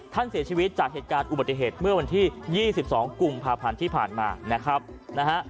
ท่านเสียชีวิตจากเหตุการณ์อุบัติเหตุเมื่อวันที่๒๒กุมภาพันธ์ที่ผ่านมานะครับนะฮะ